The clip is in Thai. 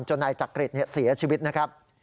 นายจักริตเสียชีวิตนะครับ